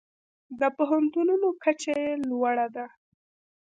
د پوهنتونونو کچه یې لوړه ده.